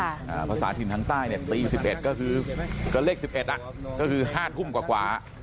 อ่าภาษาทีนทางใต้เนี่ยตีสิบเอ็ดก็คือก็เลขสิบเอ็ดอ่ะก็คือห้าทุ่มกว่ากว่า